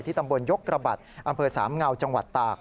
ตำบลยกระบัดอำเภอสามเงาจังหวัดตาก